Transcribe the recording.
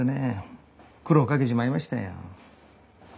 苦労をかけちまいましたよ。